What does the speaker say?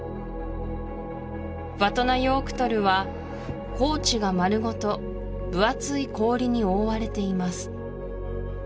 ヴァトナヨークトルは高地がまるごと分厚い氷に覆われています